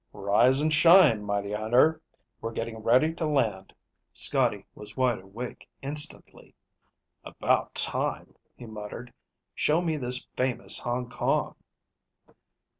"Rise and shine, mighty hunter. We're getting ready to land." Scotty was wide awake instantly. "About time," he muttered. "Show me this famous Hong Kong."